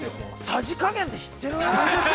◆さじ加減って知ってる？